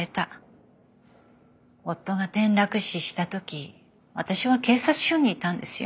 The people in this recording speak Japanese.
夫が転落死した時私は警察署にいたんですよ。